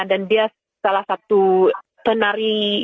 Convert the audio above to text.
dan dia salah satu penari